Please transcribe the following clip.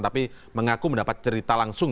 tapi mengaku mendapat cerita langsung